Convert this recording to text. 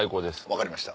分かりました。